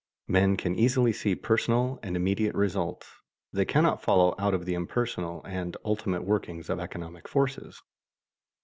Men can easily see personal and immediate results. They cannot follow out the impersonal and ultimate workings of economic forces.